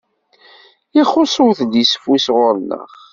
Ixuṣ udlisfus ɣur-neɣ.